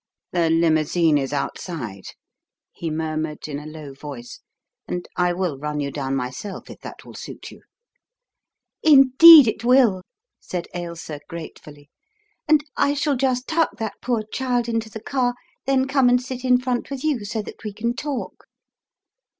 "The limousine is outside/' he murmured in a low voice, "and I will run you down myself if that will suit you." "Indeed it will," said Ailsa, gratefully, "and I shall just tuck that poor child into the car, then come and sit in front with you so that we can talk."